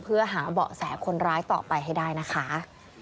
เพื่อหาเบาะแสคนร้ายต่อไปให้ได้นะคะ